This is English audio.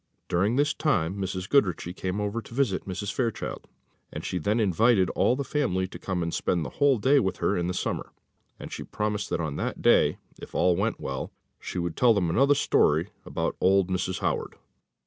During this time Mrs. Goodriche came over to visit Mrs. Fairchild, and she then invited all the family to come and spend a whole day with her in the summer, and she promised that on that day, if all was well, she would tell them another story about old Mrs. Howard.